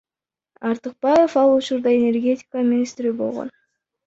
Артыкбаев ал учурда энергетика министри болгон.